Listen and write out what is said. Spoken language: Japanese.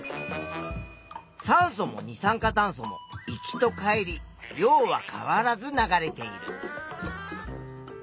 酸素も二酸化炭素も行きと帰り量は変わらず流れている。